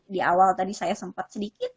di awal tadi saya sempat sedikit